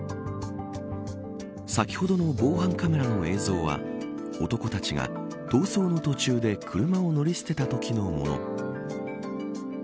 先ほどの防犯カメラの映像は男たちが、逃走の途中で車を乗り捨てたときのもの。